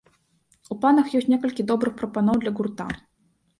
У планах ёсць некалькі добрых прапаноў для гурта.